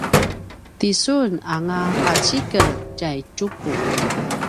ti sun anga pacikel tjay Tjuku